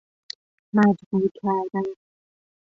مجبور کردن